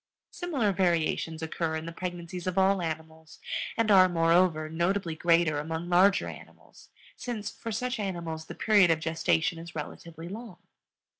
Similar variations occur in the pregnancies of all animals, and are, moreover, notably greater among larger animals, since for such animals the period of gestation is relatively long.